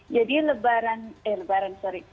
jadi lebaran eh lebaran sorry